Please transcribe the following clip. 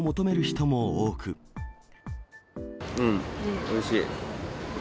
うん、おいしい。